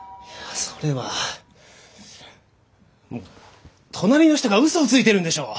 それは隣の人がうそをついてるんでしょ。